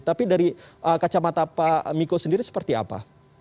tapi dari kacamata pak miko sendiri seperti apa